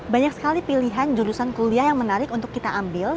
banyak sekali pilihan jurusan kuliah yang menarik untuk kita ambil